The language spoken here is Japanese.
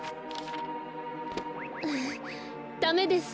ダメです。